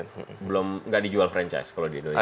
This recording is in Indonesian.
tidak dijual franchise kalau di indonesia